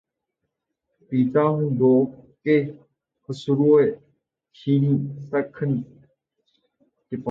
پیتا ہوں دھو کے خسروِ شیریں سخن کے پانو